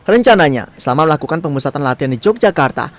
rencananya selama melakukan pemusatan latihan di yogyakarta